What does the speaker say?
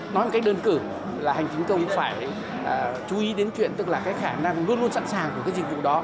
nói một cách đơn cử là hành chính công phải chú ý đến chuyện tức là cái khả năng luôn luôn sẵn sàng của cái dịch vụ đó